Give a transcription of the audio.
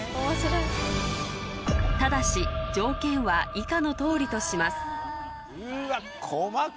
ただし条件は以下の通りとします